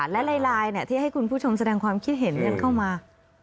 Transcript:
และลายที่ให้คุณผู้ชมแสดงความคิดเห็นกันเข้ามา